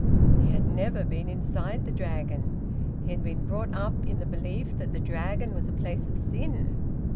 He had never been inside the Dragon. He had been brought up in the belief that the Dragon was a place of sin.